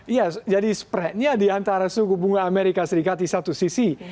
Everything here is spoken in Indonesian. iya jadi spreadnya diantara suku bunga amerika serikat di satu sisi